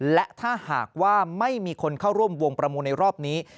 และถ้าหากว่าไม่มีคนเข้าร่วมวงประมูลในรอบนี้